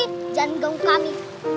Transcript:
jangan mengganggu kami